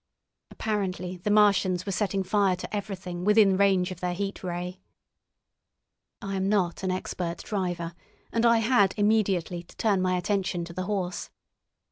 Apparently the Martians were setting fire to everything within range of their Heat Ray. I am not an expert driver, and I had immediately to turn my attention to the horse.